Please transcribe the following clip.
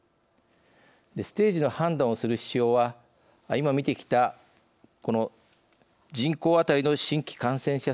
ステージの判断をする指標は今見てきたこの人口あたりの新規感染者数だけではありません。